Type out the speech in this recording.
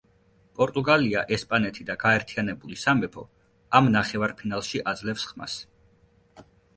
პორტუგალია, ესპანეთი და გაერთიანებული სამეფო ამ ნახევარფინალში აძლევს ხმას.